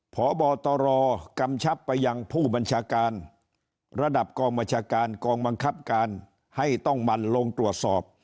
พบตรกำชับไปยังผู้บัญชาการระดับกองบัญชาการกองบังคับการให้ต้องมันลงตรวจสอบ